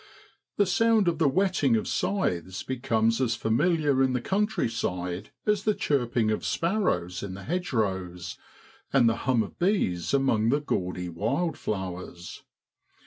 The sound of the whetting of scythes becomes as familiar in the countryside as the chirping of sparrows in the hedge rows, and the hum of bees among the gaudy wildflowers.